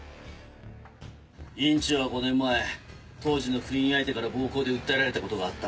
院長は５年前当時の不倫相手から暴行で訴えられたことがあった。